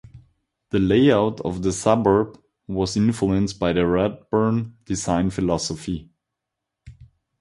The layout of the suburb was influenced by the Radburn design philosophy.